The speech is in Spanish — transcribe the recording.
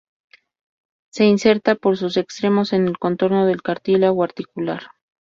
Se inserta por sus extremos en el contorno del cartílago articular.